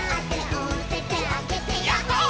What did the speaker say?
「おててあげてヤッホー」